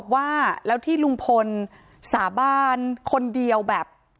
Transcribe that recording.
การแก้เคล็ดบางอย่างแค่นั้นเอง